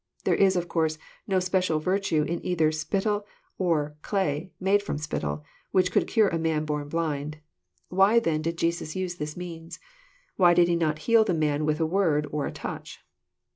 There is, of course, no special virtue either in spittle, or in clay made ftom spittle, whick could cure a man born blind. Why, then, did Jesus use this means? Why did He not heal the man with a word or a touch?